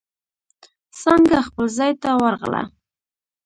څانگه خپل ځای ته ورغله.